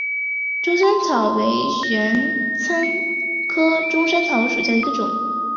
钟山草为玄参科钟山草属下的一个种。